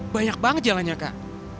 banyak banget jalannya kak